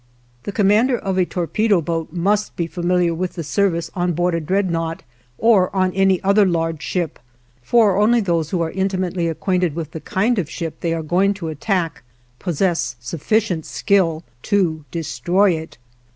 The commander of a torpedo boat must be familiar with the service on board a dreadnaught or on any other large ship, for only those who are intimately acquainted with the kind of ship they are going to attack possess sufficient skill to destroy it.